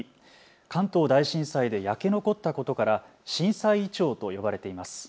関東大震災で焼け残ったことから震災イチョウと呼ばれています。